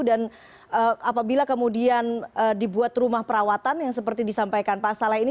dan apabila kemudian dibuat rumah perawatan yang seperti disampaikan pak salai ini